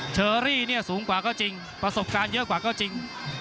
เชอรี่เนี่ยสูงกว่าก็จริงประสบการณ์เยอะกว่าก็จริง